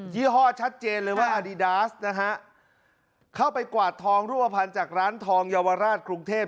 ี่ห้อชัดเจนเลยว่าอดีดาสนะฮะเข้าไปกวาดทองรูปภัณฑ์จากร้านทองเยาวราชกรุงเทพ